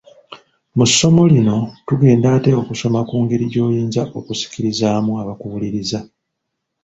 Mu ssomo lino tugenda ate kusoma ku ngeri gy’oyinza okusikirizaamu abakuwuliriza.